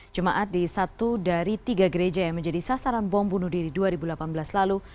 jemaat di satu dari tiga gereja yang menjadi sasaran bom bunuh diri dua ribu delapan belas lalu